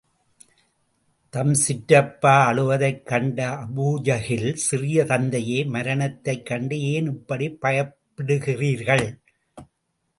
தம் சிற்றப்பா அழுவதைக கண்ட அபூஜஹில், சிறிய தந்தையே, மரணத்தைக் கண்டு ஏன் இப்படிப் பயப்படுகிறீர்கள்?